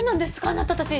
あなたたち。